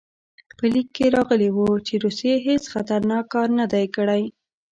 په لیک کې راغلي وو چې روسیې هېڅ خطرناک کار نه دی کړی.